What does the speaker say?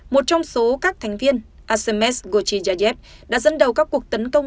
một trong số các thành viên assemes gochijayev đã dân đầu các cuộc tấn công